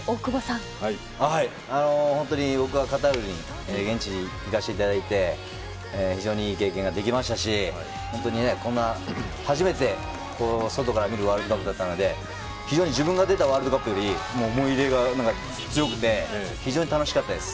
本当に僕はカタール現地に行かせていただいて非常にいい経験ができましたし本当に初めて外から見るワールドカップだったので自分が出たワールドカップより思い入れが強くて非常に楽しかったです。